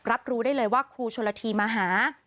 รับรู้ได้เลยว่าครูชนละทีมาหา